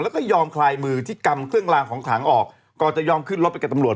แล้วก็ยอมคลายมือที่กำเครื่องลางของขลังออกก่อนจะยอมขึ้นรถไปกับตำรวจ